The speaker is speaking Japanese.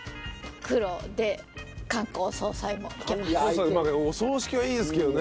まあお葬式はいいですけどね。